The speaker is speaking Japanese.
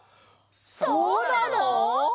そうなの！？